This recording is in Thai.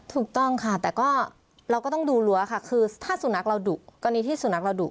ถูกต้องค่ะแต่ก็เราก็ต้องดูรั้วค่ะคือถ้าสุนัขเราดุกรณีที่สุนัขเราดุ